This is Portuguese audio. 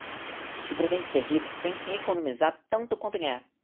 Se pretende ser rico, pense em economizar tanto quanto em ganhar.